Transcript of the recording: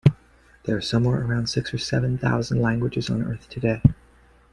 There are somewhere around six or seven thousand languages on Earth today.